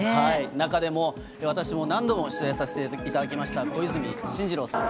中でも私も何度も取材させていただきました、小泉進次郎さん。